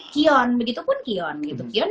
kion begitupun kion gitu kion